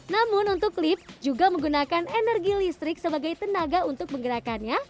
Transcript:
namun untuk lift juga menggunakan energi listrik sebagai tenaga untuk menggerakannya